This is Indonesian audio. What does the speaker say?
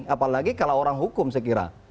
apalagi kalau orang hukum saya kira